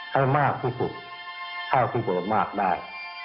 ให้มากที่สุดเท่าที่เบอร์มากได้